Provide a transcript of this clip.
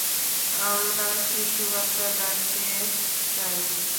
আমরা শিশু বাচ্চাটাকে চাই!